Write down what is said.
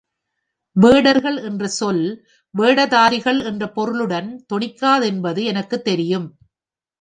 வேடர்கள் என்ற சொல் வேடதாரிகள் என்ற பொருளுடன் தொனிக்காதென்பது எனக்குத் தெரியும்.